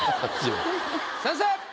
先生！